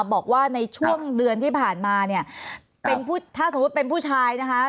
บอกว่าในช่วงเดือนที่ผ่านมาเนี่ยเป็นผู้ถ้าสมมุติเป็นผู้ชายนะคะ